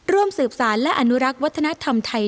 ร่วมสืบสารและอนุรักษ์วัฒนธรรมไทย